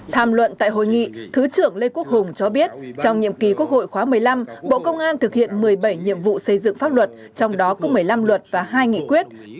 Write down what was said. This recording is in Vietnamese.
tham luận tại hội nghị thứ trưởng lê quốc hùng cho biết trong nhiệm kỳ quốc hội khóa một mươi năm bộ công an thực hiện một mươi bảy nhiệm vụ xây dựng pháp luật trong đó có một mươi năm luật và hai nghị quyết